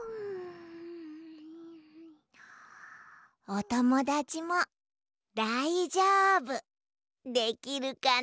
おともだちもだいじょうぶできるかな？